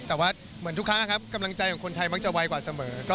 แต่ว่าเหมือนทุกครั้งครับกำลังใจของคนไทยมักจะไวกว่าเสมอ